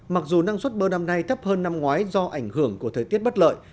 mặc dù năng suất bơ năm nay thấp hơn năm ngoái do ảnh hưởng của thời tiết bất lợi